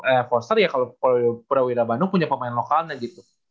eh foster ya kalau prawira bandung punya pemain lokalnya gitu